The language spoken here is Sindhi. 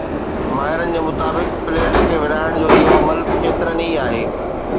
ماهرن جي مطابق، پليٽ کي ورهائڻ جو اهو عمل ڪيترن ئي آهي